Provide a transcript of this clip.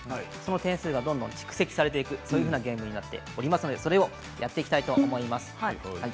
点数がどんどん蓄積されていくゲームになっておりますのでそれをやっていきたいと思います。